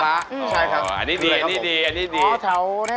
ใช่ครับคืออะไรครับผมอ๋ออันนี้ดีอ๋ออันนี้ดี